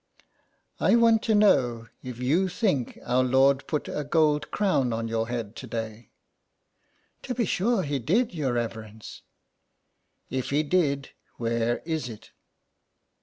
'' I want to know if you think Our Lord put a gold crown on your head to day." "To be sure He did, your reverence." no SOME PARISHIONERS. " If He did, where is it?"